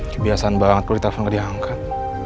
kebiasaan banget boleh telepon gak diangkat